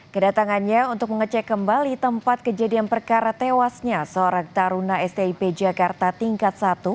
kedatangannya untuk mengecek kembali tempat kejadian perkara tewasnya seorang taruna stip jakarta tingkat satu